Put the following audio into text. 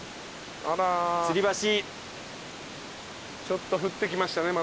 ちょっと降ってきましたね